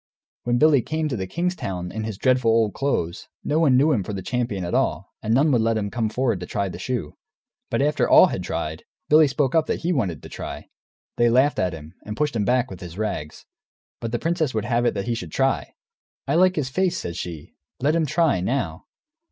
When Billy came to the king's town, in his dreadful old clothes, no one knew him for the champion at all, and none would let him come forward to try the shoe. But after all had tried, Billy spoke up that he wanted to try. They laughed at him, and pushed him back, with his rags. But the princess would have it that he should try. "I like his face," said she; "let him try, now."